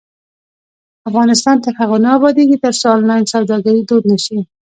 افغانستان تر هغو نه ابادیږي، ترڅو آنلاین سوداګري دود نشي.